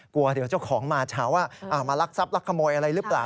กลัวเดี๋ยวเจ้าของมาเช้าว่ามารักทรัพย์ลักขโมยอะไรหรือเปล่า